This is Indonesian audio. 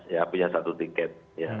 ya punya satu tiket